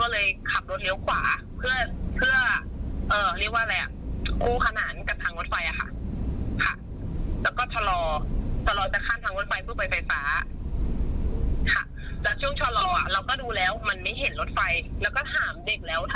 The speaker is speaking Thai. เหมือนเป็นเพราะว่าตัวเราเองก็ไม่ได้ยินแล้ว